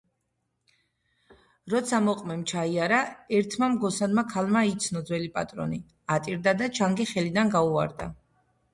როცა მოყმემ ჩაიარა, ერთმა მგოსანმა ქალმა იცნო ძველი პატრონი, ატირდა და ჩანგი ხელიდან გაუვარდა.